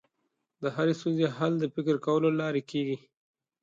د هرې ستونزې حل د فکر کولو له لارې کېږي.